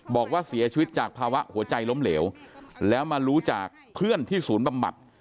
บอกว่าเสียชีวิตจากภาวะหัวใจล้มเหลวแล้วมารู้จากเพื่อนที่ศูนย์บำบัด